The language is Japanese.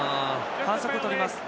反則をとります。